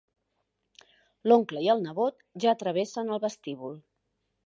L'oncle i el nebot ja travessen el vestíbul.